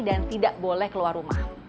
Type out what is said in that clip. dan tidak boleh keluar rumah